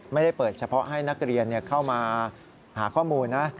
ไม่ได้เปิดเฉพาะให้นักเรียนเข้ามาหาข้อมูลนะ